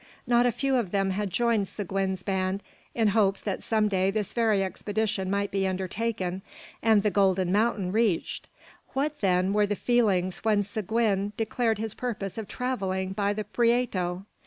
Not a few of them had joined Seguin's band in hopes that some day this very expedition might be undertaken, and the "golden mountain" reached. What, then, were their feelings when Seguin declared his purpose of travelling by the Prieto!